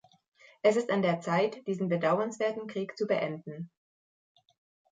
Es ist an der Zeit, diesen bedauernswerten Krieg zu beenden.